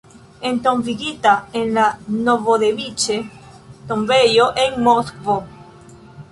Entombigita en la Novodeviĉe-tombejo en Moskvo.